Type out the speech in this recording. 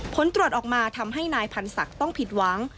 ผลตรวจออกมาทำให้นายพันธ์ศักดิ์ต้องผิดหวัง